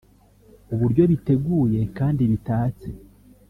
uburyo biteguye kandi bitatse